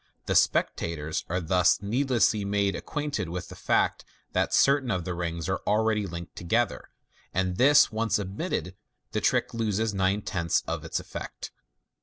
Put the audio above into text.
The spectators are thus needlessly made acquainted with the fact that certain of the rings are already linked together, and this once admitted, the trick loses nine tenths of its effect.